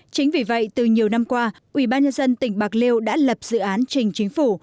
chính vì vậy từ nhiều năm qua ubnd tỉnh bạc liêu đã lập dự án trình chính phủ